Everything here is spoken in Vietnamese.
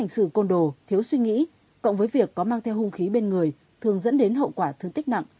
hành xử côn đồ thiếu suy nghĩ cộng với việc có mang theo hung khí bên người thường dẫn đến hậu quả thương tích nặng